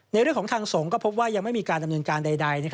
ในเรื่องของทางสงฆ์ก็พบว่ายังไม่มีการดำเนินการใด